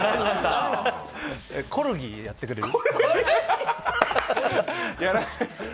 コルギをやってくれる。